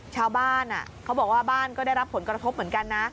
ชาวบ้านเขาบอกว่าบ้านก็ได้รับผลกระทบเหมือนกันนะ